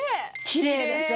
きれいでしょ？